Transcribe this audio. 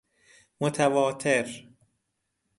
متواتر